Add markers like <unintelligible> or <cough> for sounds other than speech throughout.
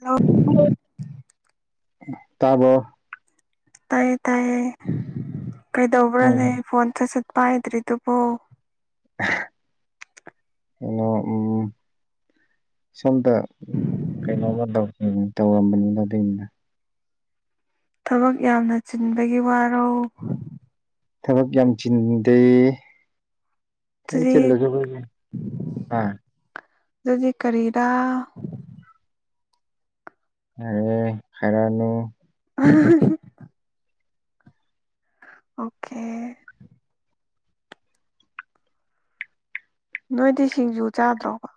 Hello ꯇꯥꯕ꯭ꯔꯣ ꯇꯥꯏꯌꯦ ꯇꯥꯏꯌꯦ ꯀꯩꯗꯧꯕ꯭ꯔꯥꯅꯦ ꯎꯝ ꯐꯣꯟ ꯁꯠ ꯁꯠ ꯄꯥꯏꯗ꯭ꯔꯤꯗꯨꯕꯣ ꯀꯩꯅꯣ ꯎꯝ ꯁꯣꯝꯗ ꯀꯩꯅꯣꯃ ꯇꯧ ꯎꯝ ꯇꯧꯔꯝꯕꯅꯤꯗ ꯑꯗꯨꯏꯅꯤꯗ ꯊꯕꯛ ꯌꯥꯝꯅ ꯆꯤꯟꯕꯒꯤ ꯋꯥꯔꯣ ꯊꯕꯛ ꯌꯥꯝ ꯆꯤꯟꯗꯦ ꯊꯕꯛ ꯑꯗꯨꯗꯤ ꯆꯤꯜꯂꯁꯨ ꯑꯩꯈꯣꯏꯒꯤ ꯑ ꯑꯗꯨꯗꯤ ꯀꯔꯤꯔꯥ ꯌꯥꯔꯦ ꯈꯥꯢꯔꯅꯨ <unintelligible> ꯑꯣꯀꯦ ꯅꯣꯏꯗꯤ ꯁꯤꯡꯖꯨ ꯆꯥꯗ꯭ꯔꯣꯕ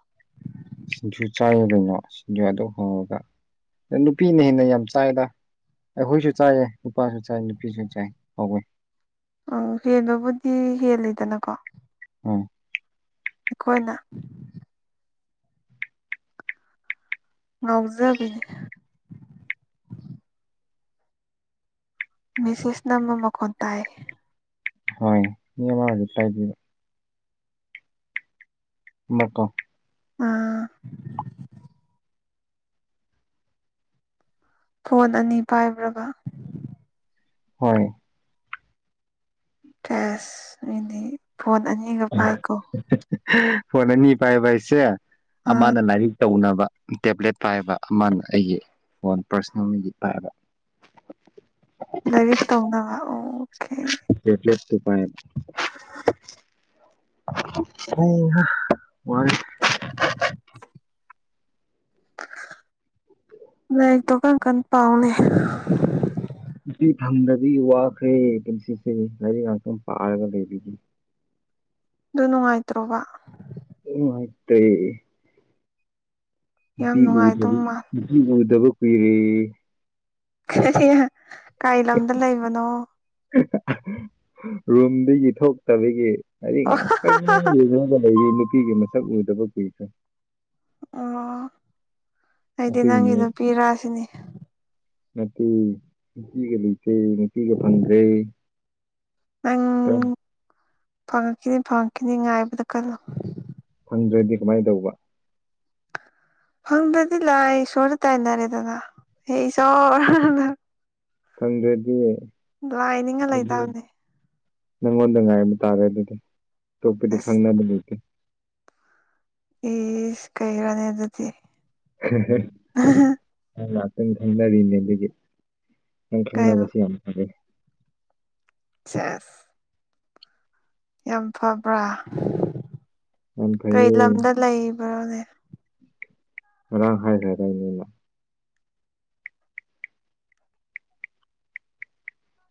ꯁꯤꯡꯖꯨ ꯆꯥꯏꯌꯦ ꯀꯩꯅꯣ ꯁꯤꯡꯖꯨ ꯑꯗꯨꯛ ꯍꯥꯎꯔꯒ ꯅꯨꯄꯤꯅ ꯍꯦꯟꯅ ꯌꯥꯝ ꯆꯥꯏꯗ ꯑꯩꯈꯣꯏꯖꯨ ꯆꯥꯏꯌꯦ ꯅꯨꯄꯥꯖꯨ ꯆꯥꯏ ꯅꯨꯄꯤꯖꯨ ꯆꯥꯏ ꯍꯥꯎꯋꯦ ꯑꯥ ꯍꯦꯟꯕꯕꯨꯗꯤ ꯍꯦꯜꯂꯤꯗꯅꯀꯣ ꯎꯝ ꯑꯩꯈꯣꯏꯅ ꯉꯥꯎꯖꯕꯤꯅꯦ ꯃꯦꯁꯦꯁ ꯅꯝꯕ ꯃꯈꯣꯟ ꯇꯥꯢꯌꯦ ꯍꯣꯢ ꯃꯤ ꯑꯃ ꯔꯤꯄ꯭ꯂꯥꯢ ꯄꯤꯕ <unintelligible> ꯑꯥ ꯐꯣꯟ ꯑꯅꯤ ꯄꯥꯏꯕ꯭ꯔꯥꯒ ꯍꯣꯏ ꯆꯦꯁ ꯃꯤꯅꯤ ꯐꯣꯟ ꯑꯅꯤ ꯐꯣꯟ ꯑꯅꯤ ꯄꯥꯏꯕꯥꯢꯁꯦ ꯑꯥ ꯑꯃꯅ ꯂꯥꯏꯔꯤꯛ ꯇꯧꯅꯕ ꯇꯦꯕ꯭ꯂꯦꯠ ꯄꯥꯏꯕ ꯑꯃꯅ ꯑꯩꯒꯤ ꯐꯣꯟ ꯄꯥꯔꯁꯦꯟꯂꯤꯒꯤ ꯄꯥꯏꯕ ꯂꯥꯏꯔꯤꯛ ꯇꯧꯅꯕ ꯑꯣꯈꯦ ꯇꯦꯕ꯭ꯂꯦꯠꯇꯨ ꯄꯥꯢꯕ ꯍꯩ ꯍꯥ ꯋꯥꯔꯦ ꯂꯥꯏꯔꯤꯛꯇꯣ ꯀꯟ ꯀꯟ ꯄꯥꯥꯎꯅꯦ ꯅꯨꯄꯤ ꯐꯪꯗꯕꯩ ꯋꯥꯈ꯭ꯔꯦ ꯄꯨꯟꯁꯤꯁꯦ ꯂꯥꯏꯔꯤꯛ ꯉꯥꯛꯇꯪ ꯄꯥꯔꯒ ꯂꯩꯕꯤꯒꯦ ꯑꯗꯨ ꯅꯨꯡꯉꯥꯏꯇ꯭ꯔꯣꯕ ꯅꯨꯡꯉꯥꯢꯇꯦ ꯌꯥꯝ ꯅꯨꯄꯤ ꯅꯨꯡꯉꯥꯏꯗꯧ ꯎꯗ꯭ꯔꯗꯤ ꯃꯥꯜ ꯅꯨꯄꯤ ꯎꯗꯕ ꯀꯨꯏꯔꯦ ꯀꯔꯤ ꯀꯥꯏ ꯂꯝꯗ ꯂꯩꯕꯅꯣ ꯔꯨꯝꯗꯒꯤ ꯊꯣꯛꯇꯕꯒꯤ ꯂꯥꯢꯔꯤꯛ ꯑꯣ ꯉꯥꯛꯇꯪ ꯌꯦꯡꯉꯒ ꯂꯩꯔꯤ ꯅꯨꯄꯤꯒꯤ ꯃꯁꯛ ꯎꯗꯕ ꯀꯨꯏꯈ꯭ꯔꯦ ꯑꯣ ꯑꯩꯗꯤ ꯅꯪꯒꯤ ꯑꯗꯨꯒꯤꯅꯦ ꯅꯨꯄꯤꯔꯥꯁꯤꯅꯤ ꯅꯠꯇꯦ ꯅꯨꯄꯤꯒ ꯂꯩꯇꯦ ꯅꯨꯄꯤꯒ ꯐꯪꯗ꯭ꯔꯦ ꯅꯪ ꯀꯔꯝ ꯐꯪꯉꯛꯈꯤꯅꯤ ꯐꯪꯉꯛꯈꯤꯅꯤ ꯉꯥꯏꯕꯗ ꯀꯜꯂꯣ ꯐꯪꯗ꯭ꯔꯗꯤ ꯀꯃꯥꯏ ꯇꯧꯕ ꯐꯪꯗꯔꯗꯤ ꯂꯥꯏ ꯏꯁꯣꯔꯗ ꯇꯥꯏꯅꯔꯦꯗꯅ ꯍꯦ ꯏꯁꯣꯔꯗ ꯈꯪꯗ꯭ꯔꯦꯗꯤ ꯂꯥꯏꯅꯤꯡꯉ ꯂꯩꯇꯥꯕꯅꯦ꯫ ꯅꯪꯉꯣꯟꯗ ꯉꯥꯏꯕ ꯇꯥꯔꯦ ꯑꯗꯨꯗꯤ ꯑꯇꯣꯞꯄꯗꯤ ꯑꯁ ꯈꯪꯅꯕ ꯂꯩꯇꯦ꯫ ꯏꯁ ꯀꯩꯅꯣꯅꯦ ꯑꯗꯨꯗꯤ ꯇ ꯊꯗꯤꯅꯦꯗꯒꯤ꯫ ꯅꯪ ꯀꯩꯕ ꯈꯪꯅꯕꯁꯦ ꯌꯥꯝ ꯐꯔꯦ꯫ ꯁꯦꯁ ꯌꯥꯝ ꯐꯕ꯭ꯔꯥ ꯌꯥꯝ ꯀꯩ ꯐꯩꯌꯦ ꯂꯝꯗ ꯂꯩꯕ꯭ꯔꯣꯅꯦ꯫ ꯉꯥꯔ꯭ꯪ ꯍꯥꯏꯈꯔꯥ ꯇꯥꯏꯅꯦ ꯉꯒꯣꯟꯗꯥ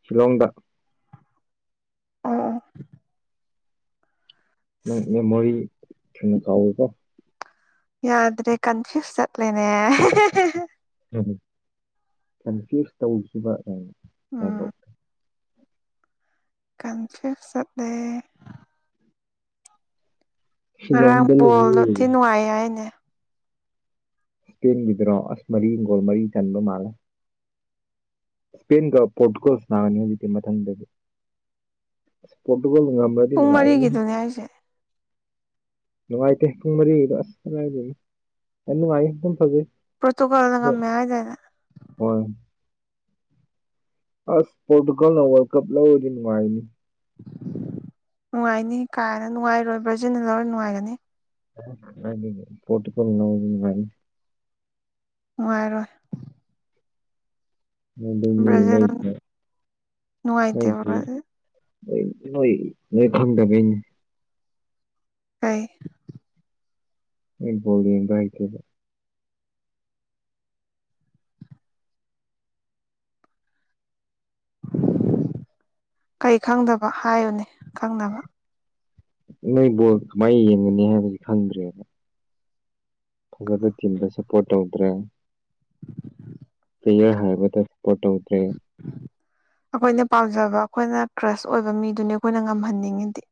ꯁꯤꯂꯣꯡꯗ꯫ ꯑꯥ ꯅꯪ ꯃꯦꯃꯣꯔꯤ ꯊꯨꯅꯥ ꯀꯥꯎꯋꯦꯀꯣ ꯌꯥꯗ꯭ꯔꯦ ꯀꯟꯐ꯭ꯌꯨꯁ ꯆꯠꯂꯦꯅꯦ꯫ ꯎꯝ ꯀꯟꯐ꯭ꯌꯨꯁ ꯇꯧꯈꯤꯕ ꯎꯝ ꯀꯩꯅꯩꯅꯣ ꯀꯟꯐ꯭ꯌꯨꯁ ꯆꯠꯂꯦ꯫ ꯉꯔꯥꯡ ꯁꯤꯂꯣꯡꯗ ꯄꯣꯜꯗꯣ ꯂꯩꯌꯦ ꯊꯤ ꯅꯨꯡꯉꯥꯏꯌꯦ ꯍꯥꯏꯅꯦ꯫ ꯇꯦꯟꯈꯤꯗ꯭ꯔꯣ ꯑꯁ ꯃꯔꯤ ꯍꯤꯡꯒꯣꯜ ꯃꯔꯤ ꯆꯟꯕ ꯃꯥꯜꯂꯦ꯫ ꯏꯁꯄꯦꯟꯒ ꯄꯣꯔꯇꯨꯒꯜ ꯅꯥꯒꯅꯤ ꯍꯧꯖꯤꯛꯇꯤ ꯃꯊꯪꯗꯗꯤ ꯑꯁ ꯄꯣꯔꯇꯨꯒꯜ ꯉꯉꯥꯑꯣꯏꯗ ꯫ ꯄꯨꯡ ꯃꯔꯤꯒꯤꯗꯨꯅꯦ ꯍꯥꯏꯁꯦ꯫ ꯅꯨꯡꯉꯥꯏꯇꯦ ꯄꯨꯡ ꯃꯔꯤꯒꯤꯗꯣ ꯑꯁ ꯌꯥꯝ ꯅꯨꯡꯉꯥꯏ ꯑꯗꯨ ꯐꯖꯩ꯫ ꯄꯣꯇꯣꯀꯥꯜꯗ ꯑꯗꯣ ꯉꯝꯃꯦ ꯍꯥꯏꯗꯅ꯫ ꯍꯣꯏ ꯑꯁ ꯄꯣꯇꯨꯒꯜꯅ ꯋꯥꯜ ꯀꯄ ꯂꯥꯎꯔꯗꯤ ꯅꯨꯡꯥꯏꯅꯤ꯫ ꯅꯨꯡꯉꯥꯏꯅꯤ ꯀꯥ ꯍꯦꯅ ꯅꯨꯡꯉꯥꯏꯔꯣꯏ ꯕ꯭ꯔꯖꯤꯟꯅ ꯂꯧꯔ ꯅꯨꯡꯉꯥꯏꯒꯅꯤ꯫ ꯄꯣꯇꯤꯄꯨꯜꯅ ꯂꯥꯎꯔꯗꯤ ꯅꯨꯉꯥꯏꯅꯤ꯫ ꯅꯨꯡꯉꯥꯏꯔꯣꯏ ꯑꯗꯨꯅꯤ ꯕ꯭ꯔꯥꯖꯤꯜ ꯅꯣꯏꯁꯦ ꯅꯨꯡꯉꯥꯏꯇꯦꯕ ꯅꯣꯌꯁꯦ꯫ ꯕ꯭ꯔꯥꯖꯤꯜ ꯅꯣꯏ ꯅꯣꯏ ꯈꯪꯗꯕꯩꯅꯦ꯫ ꯑꯩ ꯅꯣꯏ ꯕꯣꯜ ꯌꯦꯡꯕ ꯍꯥꯏꯇꯤꯕ ꯀꯩ ꯈꯪꯗꯕ ꯍꯥꯏꯌꯨꯅꯦ ꯈꯪꯅꯕ ꯅꯣꯏ ꯕꯣꯜ ꯀꯃꯥꯏꯅ ꯌꯦꯡꯒꯅꯤ ꯍꯥꯏꯕꯕꯁꯤ ꯈꯪꯗ꯭ꯔꯦ꯫ ꯐꯖꯕ ꯇꯤꯝꯗ ꯁꯄꯣꯔꯠ ꯇꯧꯗ꯭ꯔꯦ꯫ ꯄꯌꯥꯔ ꯍꯥꯏꯕꯗ ꯁꯄꯣ ꯇꯧꯗ꯭ꯔꯦ꯫ ꯑꯩꯈꯣꯏꯅ ꯄꯥꯝꯖꯕ ꯑꯩꯈꯣꯏꯅ ꯀ꯭ꯔꯁ ꯑꯣꯏꯕ ꯃꯤꯗꯨꯅꯤ ꯑꯩꯈꯣꯏꯅ ꯉꯝꯍꯟꯅꯤꯡꯉꯤꯗꯤ꯫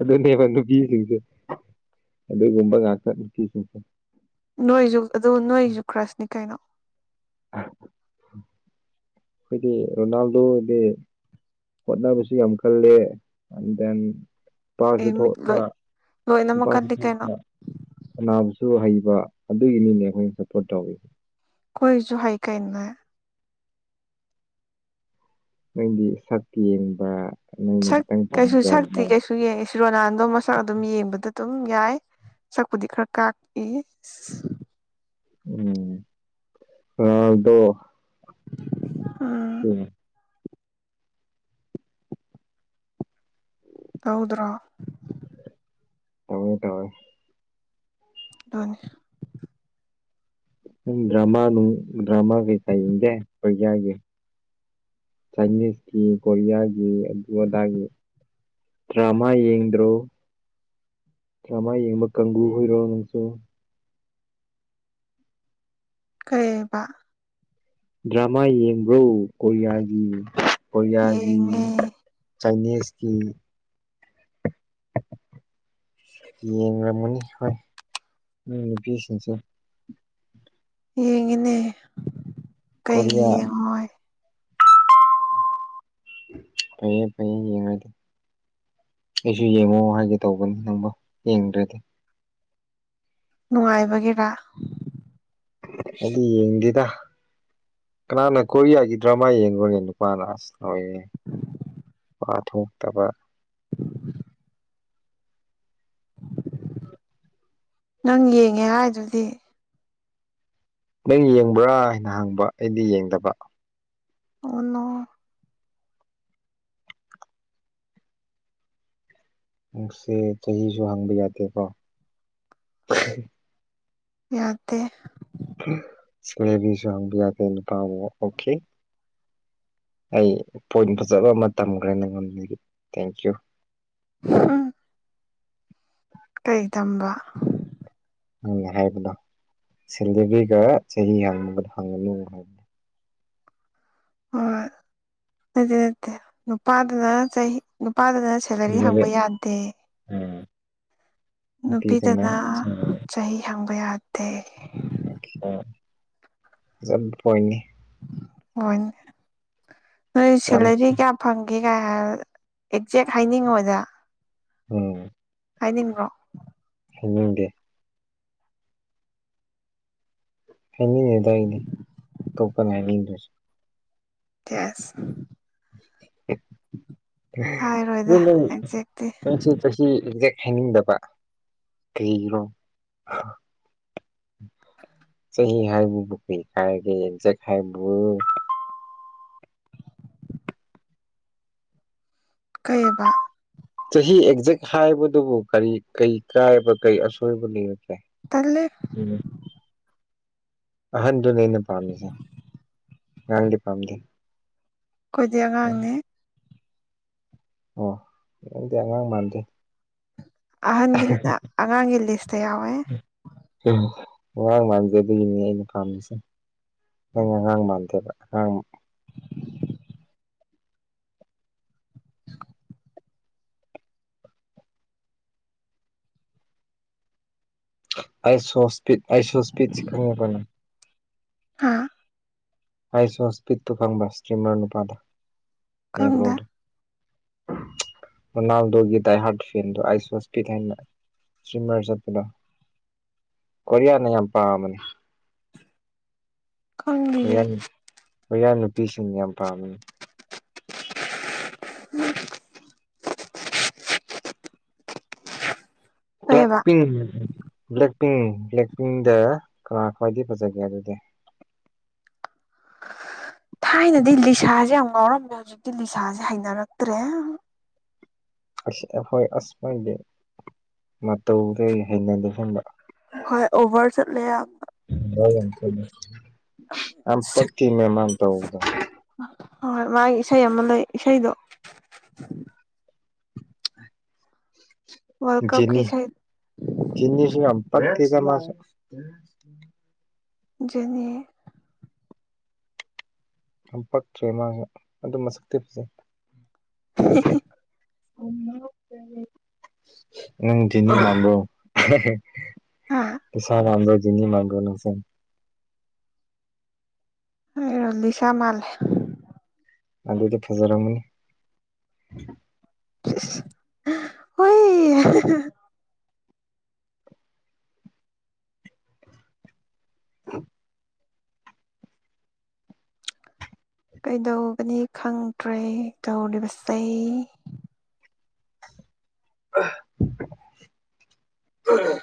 ꯑꯗꯨꯅꯦꯕ ꯅꯨꯄꯤꯁꯤꯡꯁꯦ ꯑꯗꯨꯒꯨꯝꯕ ꯉꯥꯛꯇ ꯅꯨꯄꯤꯁꯤꯡꯁꯦ꯫ ꯅꯣꯏꯁꯨ ꯑꯗꯨ ꯅꯣꯏꯁꯨ ꯈ꯭ꯔꯁꯅꯤ ꯀꯩꯅꯣ <inaudible> ꯑꯩꯈꯣꯏꯗꯤ ꯔꯣꯅꯥꯜꯗꯣꯗꯤ ꯍꯣꯠꯅꯕꯁꯨ ꯌꯥꯝ ꯈꯜꯂꯦ ꯑꯦꯟ ꯗꯦꯟ ꯅꯨꯄꯥꯁꯨ ꯑꯦ ꯊꯣꯛꯄ ꯂꯣꯏ ꯅꯨꯄꯥꯁꯨ ꯂꯣꯏꯅꯃꯛꯀꯗꯤ ꯀꯩꯅꯣ ꯊꯣꯛꯄ ꯁꯥꯅꯥꯕꯁꯨ ꯍꯩꯕ ꯑꯗꯨꯒꯤꯅꯤꯅꯦ ꯑꯩꯈꯣꯏꯅ ꯁꯞꯄꯣꯔꯠ ꯇꯧꯋꯁꯦ꯫ ꯑꯩꯈꯣꯏꯁꯨ ꯍꯥꯏꯩ ꯀꯩꯅꯣ꯫ ꯅꯪꯗꯤ ꯁꯛ ꯌꯦꯡꯕ ꯅꯪꯅ ꯈꯤꯇꯪ ꯄꯥꯝꯖꯕ꯫ ꯁꯨꯌꯦ ꯑꯩꯁ ꯔꯣꯅꯥꯟꯗꯣ ꯃꯁꯛ ꯑꯗꯨꯝ ꯌꯦꯡꯕꯗ ꯑꯗꯨꯝ ꯌꯥꯏ꯫ ꯁꯛꯄꯨꯗꯤ ꯈꯔ ꯀꯥꯛꯏ ꯎꯝ ꯔꯣꯅꯂꯗꯣ ꯎꯝ <inaudible> ꯇꯧꯗ꯭ꯔꯣ ꯇꯧꯋꯦ ꯇꯧꯋꯦ ꯅꯤ ꯅ ꯗ꯭ꯔꯃꯥ ꯅꯨꯡ ꯗ꯭ꯔꯃꯥꯒꯤ ꯀꯩ ꯌꯦꯡꯒꯦ ꯀꯣꯔꯤꯌꯥꯒꯤ ꯆꯥꯏꯅꯤꯁꯀꯤ ꯀꯣꯔꯤꯌꯥꯒꯤ ꯑꯗꯨ ꯑꯗꯥꯒꯤ ꯗ꯭ꯔꯃꯥ ꯌꯦꯡꯗ꯭ꯔꯣ ꯗ꯭ꯔꯃꯥ ꯌꯦꯡꯕ ꯀꯥꯡꯕꯨ ꯑꯣꯏꯔꯣ ꯅꯪꯁꯨ ꯀꯩꯕ ꯗ꯭ꯔꯃꯥ ꯌꯦꯡꯕ꯭ꯔꯣ ꯀꯣꯔꯤꯌꯥꯒꯤ ꯀꯣꯔꯤꯌꯥꯒꯤ ꯌꯦꯡꯉꯦ ꯆꯥꯏꯅꯤꯁꯀꯤ ꯌꯦꯡꯔꯝꯃꯅꯤ ꯍꯣꯏ ꯎꯝ ꯅꯨꯄꯤꯁꯤꯡꯁꯦ ꯌꯦꯡꯉꯤꯅꯦ ꯀꯩꯒꯤ ꯀꯣꯔꯤꯌꯥ ꯌꯦꯡꯉꯣꯏ ꯐꯩꯌꯦ ꯐꯌꯦ ꯌꯦꯡꯉꯥꯏꯗꯤ ꯑꯩꯁꯨ ꯌꯦꯡꯉꯣ ꯍꯥꯏꯒꯦ ꯇꯧꯕꯅꯤ ꯅꯪꯕ ꯌꯦꯡꯗ꯭ꯔꯦꯗꯤ ꯅꯨꯡꯉꯥꯏꯕꯒꯤꯔꯥ ꯑꯩꯗꯤ ꯌꯦꯡꯗꯦꯗ ꯀꯅꯥꯅ ꯀꯣꯔꯤꯌꯥꯒꯤ ꯗ꯭ꯔꯃꯥ ꯌꯦꯡꯕꯅꯦ ꯅꯨꯄꯥꯅ ꯑꯁ ꯂꯣꯏꯌꯦ ꯋꯥ ꯊꯣꯛꯣꯛꯇꯕ ꯅꯪ ꯌꯦꯡꯉꯦ ꯍꯥꯏꯗꯨꯗꯤ ꯅꯪ ꯌꯦꯡꯕ꯭ꯔꯥ ꯍꯥꯏꯅ ꯍꯪꯕ ꯑꯩꯗꯤ ꯌꯦꯡꯗꯕ ꯑꯣ ꯅꯣ ꯁꯦ ꯆꯍꯤꯁꯨ ꯍꯪꯕ ꯌꯥꯗꯦꯀꯣ ꯌꯥꯗ ꯁꯣꯌꯦꯕꯤ ꯆꯥꯡꯗꯣ ꯌꯥ ꯄꯥꯎ ꯑꯣꯀꯦ ꯑꯩ ꯄꯣꯏꯟ ꯐꯖꯕ ꯑꯃ ꯇꯝꯈ꯭ꯔꯦ ꯅꯉꯣꯟꯗꯒꯤ ꯊꯦꯡꯀꯤꯌꯨ ꯎꯝ ꯀꯩ ꯇꯝꯕ ꯍꯪꯉ ꯍꯥꯏꯕꯗꯣ ꯁꯦꯂꯔꯤꯒ ꯆꯍꯤ ꯍꯥꯡꯕꯒꯗ ꯍꯪꯒꯅꯨ ꯍꯥꯏꯕꯗꯣ ꯍꯣꯏ ꯑꯗꯨꯗꯤ ꯅꯠꯇꯦ ꯅꯨꯄꯥꯗꯅ ꯆꯍꯤ ꯅꯨꯄꯥꯗꯅ ꯁꯦꯂꯔꯤ ꯍꯪꯕ ꯍꯥꯏꯕ ꯌꯥꯗꯦ ꯎꯝ ꯅꯨꯄꯤꯗꯅ ꯆꯍꯤ ꯍꯪꯕ ꯌꯥꯗꯦ ꯆꯠ ꯄꯣꯏꯅꯤ ꯑꯣꯏꯅꯦ ꯅ ꯌꯥꯝ ꯁꯤꯂꯦꯗꯤ ꯀꯌꯥ ꯐꯪꯒꯦ ꯀꯥꯏ ꯍꯥꯏ ꯑꯦꯛꯖꯦꯛ ꯍꯥꯏꯅꯤꯡꯉꯣꯢꯗ ꯎꯝ ꯍꯥꯏꯅꯤꯡꯕꯣ ꯍꯥꯏꯅꯤꯡꯗꯦ ꯍꯥꯏꯅꯤꯡꯉꯦꯗꯥꯏꯅꯦ ꯑꯇꯣꯞꯄꯅ ꯍꯥꯏꯅꯤꯡꯗ꯭ꯔꯁꯨ ꯆꯁ ꯍꯥꯏꯔꯣꯏꯗ ꯑꯗꯨ ꯑꯦꯛꯖꯦꯛꯇꯤ ꯃꯪꯁꯤ ꯆꯍꯤ ꯑꯦꯛꯖꯦꯛ ꯍꯥꯏꯅꯤꯡꯗꯕ ꯀꯩꯔꯣ ꯆꯍꯤ ꯍꯥꯏꯕꯕꯨ ꯀ꯭ꯔꯤ ꯀꯥꯏꯕꯒꯦ ꯑꯦꯛꯖꯦꯛ ꯍꯥꯏꯕꯨ ꯀꯩꯑꯕ ꯆꯍꯤ ꯑꯦꯛꯖꯦꯛ ꯍꯥꯏꯕꯗꯨꯕꯨ ꯀꯔꯤ ꯀꯔꯤ ꯀꯥꯏꯕ ꯀꯔꯤ ꯑꯁꯣꯏꯕ ꯂꯩꯕꯒꯦ ꯇꯍꯦ ꯎꯝ ꯑꯍꯟꯗꯨꯅꯦ ꯑꯩꯅ ꯄꯥꯝꯃꯤꯁꯦ ꯉꯥꯡꯗꯤ ꯄꯥꯝꯗꯦ ꯑꯩꯈꯣꯏꯗꯤ ꯑꯉꯥꯡꯅꯦ ꯑꯣ ꯅꯪꯗꯤ ꯑꯉꯥꯡ ꯃꯥꯟꯗꯦ ꯑꯍꯟꯒꯤ ꯑꯉꯥꯡꯒꯤ ꯂꯤꯁꯇ ꯌꯥꯎꯋꯦ ꯋꯥꯔꯥꯡ ꯃꯥꯟꯖꯦ ꯑꯗꯨꯒꯤꯅꯤ ꯑꯩꯅ ꯄꯥꯝꯃꯤꯁꯦ ꯅꯪ ꯑꯉꯥꯡ ꯃꯥꯟꯗꯦꯕ ꯑꯉꯥꯡ <inaudible> ꯑꯥꯏꯁꯣꯁ ꯏꯁꯄꯤꯠ ꯑꯥꯢꯁꯨꯁ ꯏꯁꯄꯤꯠꯁ ꯈꯪꯉꯕ ꯅꯪ ꯑ ꯍꯥꯏꯁꯨ ꯍꯁꯄꯤꯠꯇꯨ ꯐꯪꯕ ꯁ꯭ꯔꯤꯃꯥꯟ ꯅꯨꯄꯥꯗꯣ ꯈꯪꯗꯦ ꯔꯣꯅꯥꯜꯗꯣꯒꯤ ꯗꯥꯏ ꯍꯔꯠ ꯐꯦꯟꯗ ꯑꯥꯏꯁꯋꯥꯁ ꯄꯤ ꯊꯅ ꯁꯤꯃꯁꯂ ꯀꯔꯤꯌꯥꯅ ꯌꯥꯝ ꯄꯥꯃꯅꯤ ꯈꯪꯗꯤꯌꯦ ꯍꯣꯏꯌꯥꯟ ꯍꯣꯏꯌꯥꯟ ꯅꯨꯄꯤꯁꯤꯡ ꯌꯥꯝ ꯄꯥꯝꯃꯤ ꯎꯝ ꯕ꯭ꯂꯦꯛ ꯀꯩꯕ ꯄꯤꯡ ꯕ꯭ꯂꯦꯛ ꯄꯤꯡ ꯕ꯭ꯂꯦꯛ ꯄꯤꯡꯗ ꯀꯅꯥ ꯈ꯭ꯋꯥꯏꯗꯒꯤ ꯐꯖꯒꯦ ꯑꯗꯨꯗꯤ ꯊꯥꯏꯅꯗꯤ ꯂꯤꯁꯥꯁꯦ ꯌꯥꯝ ꯉꯥꯎꯔꯝꯃꯦ ꯍꯧꯖꯤꯛꯇꯤ ꯂꯤꯁꯥꯁꯦ ꯍꯩꯅꯔꯛꯇ꯭ꯔꯦ ꯑꯩꯈꯣꯏ ꯑꯁꯃꯥꯏꯗꯤ ꯃꯇꯧꯗ ꯍꯩꯅ ꯂꯣꯏꯁꯤꯟꯕ ꯍꯣꯏ ꯑꯣꯚꯔ ꯆꯠꯂꯦ ꯌꯥꯝ ꯑ ꯄꯊ ꯃ ꯃꯥꯟꯇꯥꯗ ꯍꯣꯏ ꯃꯥꯒꯤ ꯏꯁꯩ ꯑꯃ ꯂꯩ ꯏꯁꯩꯗꯣ ꯋꯥꯔꯜ ꯀꯞꯀꯤ ꯆꯅꯤ ꯏꯁꯩ ꯆꯅꯤꯁꯨ ꯌꯥꯝ ꯄꯤ ꯀꯁ ꯅꯤ ꯌꯥꯝ ꯄꯛꯇ꯭ꯔꯦ ꯃꯥꯥꯖꯨ ꯑꯗꯨ ꯃꯁꯛꯇꯤ ꯐꯖꯩ ꯎꯝ ꯅꯪ ꯗꯤꯜ ꯌꯥꯝꯕ꯭ꯔꯣ ꯍꯥꯥ ꯀꯤꯁꯥꯟ ꯑꯗꯣꯖꯤꯅꯤ ꯃꯥꯥꯡꯒ ꯑꯩꯔꯣ ꯂꯤꯁꯥ ꯃꯥꯂꯦ ꯑꯗꯨꯗꯤ ꯐꯖꯔꯝꯅꯤ ꯍꯣꯏ <inaudible> ꯀꯩꯗꯧꯒꯅꯤ ꯈꯪꯗ꯭ꯔꯦ ꯇꯧꯔꯤꯕ ꯆꯩ ꯑ ꯑ